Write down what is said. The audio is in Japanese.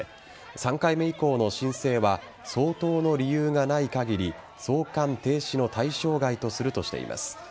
３回目以降の申請は相当の理由がない限り送還停止の対象外とするとしています。